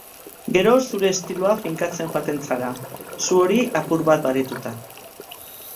Gero, zure estiloa finkatzen joaten zara, su hori apur bat baretuta.